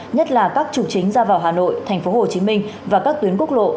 nhất là các chủ chính ra vào hà nội tp hcm và các tuyến quốc lộ